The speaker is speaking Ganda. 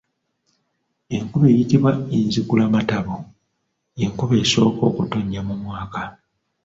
Enkuba eyitibwa enzigulamatabo y'enkuba esooka okutonnya mu mwaka.